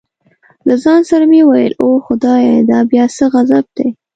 له ځان سره مې وویل اوه خدایه دا بیا څه غضب دی.